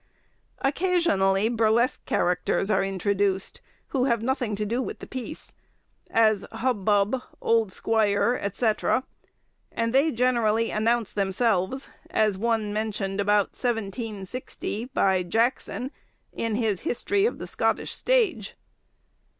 Occasionally burlesque characters are introduced, who have nothing to do with the piece, as Hub Bub, Old Squire, &c., and they generally announce themselves, as one mentioned about 1760, by Jackson, in his 'History of the Scottish Stage.